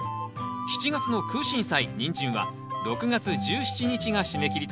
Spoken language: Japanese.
７月の「クウシンサイ」「ニンジン」は６月１７日が締め切りとなります。